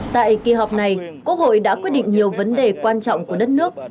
tại kỳ họp này quốc hội đã quyết định nhiều vấn đề quan trọng của đất nước